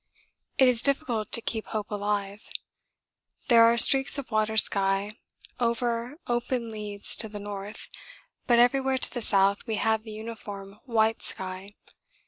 It is difficult to keep hope alive. There are streaks of water sky over open leads to the north, but everywhere to the south we have the uniform white sky.